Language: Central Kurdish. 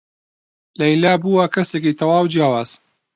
لەیلا بووە کەسێکی تەواو جیاواز.